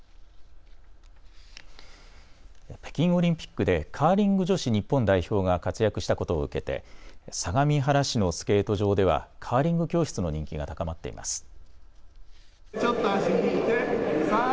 北京オリンピックでカーリング女子日本代表が活躍したことを受けて相模原市のスケート場ではカーリング教室の人気が高まっています。